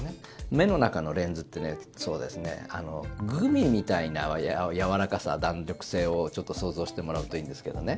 目の中のレンズってねグミみたいなやわらかさ弾力性を想像してもらうといいんですけどね